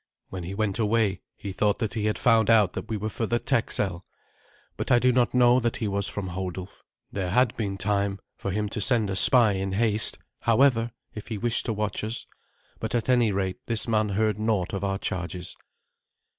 When he went away, he thought that he had found out that we were for the Texel, but I do not know that he was from Hodulf. There had been time for him to send a spy in haste, however, if he wished to watch us; but at any rate this man heard naught of our charges.